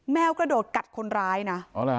แมวกระโดดกัดคนร้ายนะ